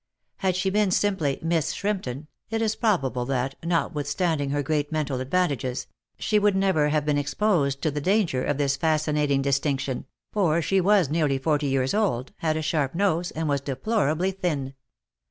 Had she been simply Miss Shrimpton, it is probable that, notwithstanding her great mental advantages, she would never have been exposed to the danger of this fascinating distinction, for she was nearly forty years old, had a sharp nose, and was deplorably thin.